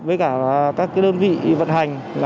với các đơn vị vận hành